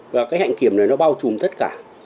và cái hạnh kiểm này nó bao trùm tất cả